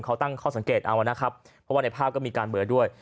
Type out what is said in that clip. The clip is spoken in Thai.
เขาตั้งข้อสังเกตเอานะครับเพราะว่าในภาพก็มีการเบอร์ด้วย